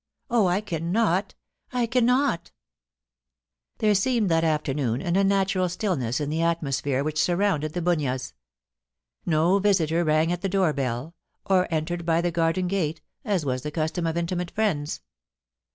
* Oh, I cannot — I cannot !' There seemed that afternoon an unnatural stillness in the atmosphere which surrounded The Bunyas. No visitor rang at the door bell, or entered by the garden gate, as was the custom of intimate friends.